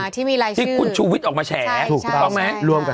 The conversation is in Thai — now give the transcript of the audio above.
ที่มีรายชื่อ